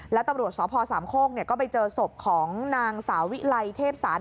แล้วตำรวจสพสามโคกก็ไปเจอศพของนางสาวิไลเทพศาล